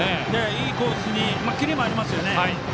いいコースにキレもあります。